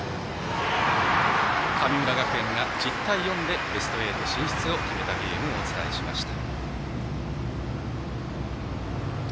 神村学園が１０対４でベスト８進出を決めたゲームをお伝えしました。